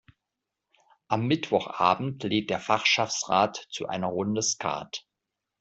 Am Mittwochabend lädt der Fachschaftsrat zu einer Runde Skat.